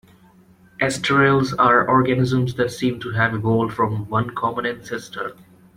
Asterales are organisms that seem to have evolved from one common ancestor.